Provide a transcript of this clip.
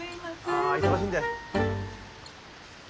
ああ忙しいんで。